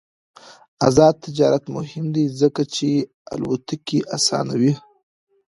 آزاد تجارت مهم دی ځکه چې الوتکې اسانوي.